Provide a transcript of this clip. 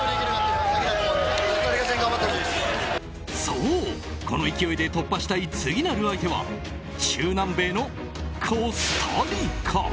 そう、この勢いで突破したい次なる相手は中南米のコスタリカ。